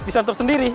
bisa untuk sendiri